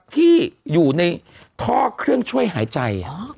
ที่อยู่ในท่อเครื่องช่วยหายใจ